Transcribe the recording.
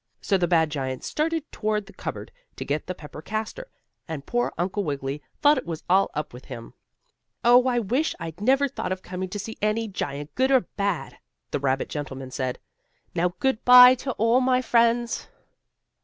So the bad giant started toward the cupboard to get the pepper caster, and poor Uncle Wiggily thought it was all up with him. "Oh, I wish I'd never thought of coming to see any giant, good or bad," the rabbit gentleman said. "Now good by to all my friends!"